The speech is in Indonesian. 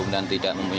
dan tidak mempunyai